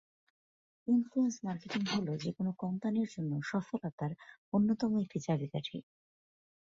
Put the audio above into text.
Influence marketing হল যে কোন কোম্পানির জন্য সফলতার অন্যতম একটি চাবিকাঠি।